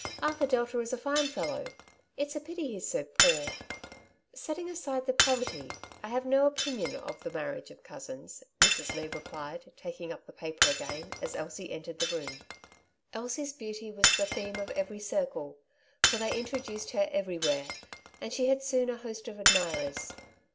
Arthur Delta is a fine fellow j it's a pity he's so poor." '^ Setting aside the poverty, I have no opinion of the marriage of cousins," Mrs. Leigh replied, taking up the paper again as Elsie entered the room. Elsie's beauty was the theme of every circle ; for they introduced her everywhere, and she had soon a host of admirers.